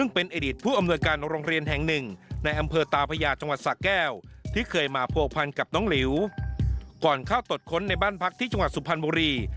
ในบ้านพักที่จังหวัดสุพรรณบุรี